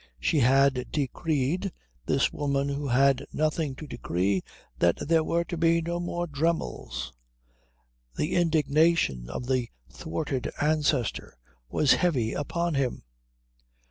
She had decreed, this woman who had nothing to decree, that there were to be no more Dremmels. The indignation of the thwarted ancestor was heavy upon him.